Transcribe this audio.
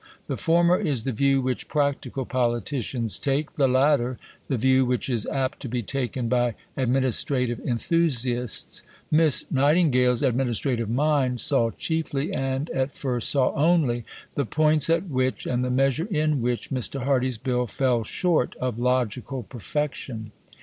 The former is the view which "practical politicians" take; the latter, the view which is apt to be taken by administrative enthusiasts. Miss Nightingale's administrative mind saw chiefly, and at first saw only, the points at which, and the measure in which, Mr. Hardy's Bill fell short of logical perfection.